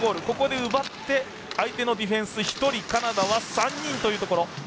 ここで奪って相手のディフェンス１人カナダは３人というところ。